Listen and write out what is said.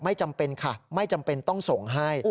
ไม่จำเป็นค่ะไม่จำเป็นต้องส่งให้